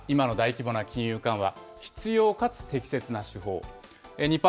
具体的には、今の大規模な金融緩和、必要かつ適切な手法。